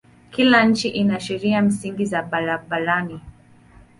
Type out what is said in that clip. Kila nchi ina sheria msingi za barabarani.